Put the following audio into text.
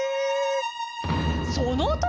その時！